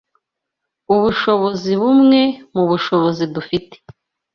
ubushobozi bumwe mu bushobozi dufite